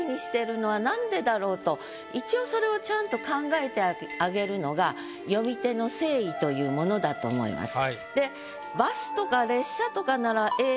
でも一応それをちゃんと考えてあげるのが読み手の誠意というものだと思います。